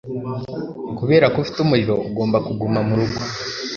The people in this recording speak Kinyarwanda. Kubera ko ufite umuriro, ugomba kuguma murugo.